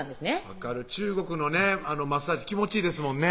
分かる中国のねマッサージ気持ちいいですもんね